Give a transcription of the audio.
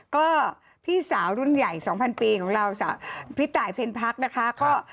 ก็พี่สาวรุ่นใหญ่๒๐๐๐ปีของเราส่ะพี่ต่ายเพลพรรคนะคะ